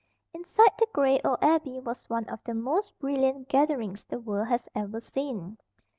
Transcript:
Inside the gray old Abbey was one of the most brilliant gatherings the world has ever seen.